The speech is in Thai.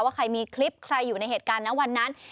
ว่าใครมีคลิปใครอยู่ในเหตุการณ์นะวันนั้น